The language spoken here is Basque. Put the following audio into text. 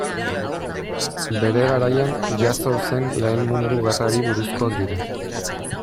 Bere garaian jazo zen Lehen Mundu Gerrari buruzkoak dira.